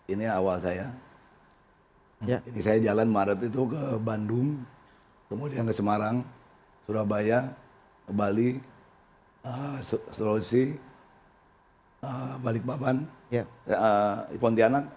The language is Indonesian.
ini awal saya ini saya jalan maret itu ke bandung kemudian ke semarang surabaya bali sulawesi balikpapan pontianak